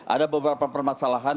ada beberapa permasalahan